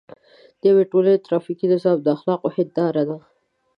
د یوې ټولنې ټرافیکي نظام د اخلاقو هنداره ده.